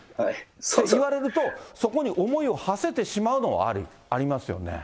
言われると、そこに思いをはせてしまうのはありますよね。